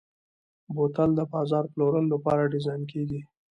بوتل د بازار پلورلو لپاره ډیزاین کېږي.